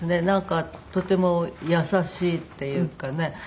なんかとても優しいっていうかね